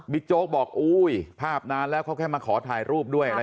โจ๊กบอกอุ้ยภาพนานแล้วเขาแค่มาขอถ่ายรูปด้วย